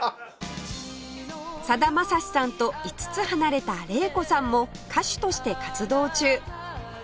さだまさしさんと５つ離れた玲子さんも歌手として活動中